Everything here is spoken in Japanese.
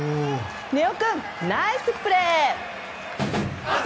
根尾君、ナイスプレー！